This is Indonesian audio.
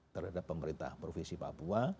terhadap pemerintah provinsi papua